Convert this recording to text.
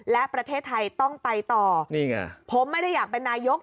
และประเทศไทยต้องไปต่อนี่ไงผมไม่ได้อยากเป็นนายก